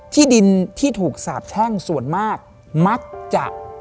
ที่ดินที่ถูกสาบแช่งส่วนมากมักจะ